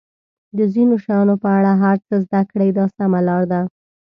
د ځینو شیانو په اړه هر څه زده کړئ دا سمه لار ده.